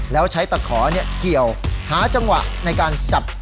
แล้วใช้ตะขอเกี่ยวหาจังหวะในการจับ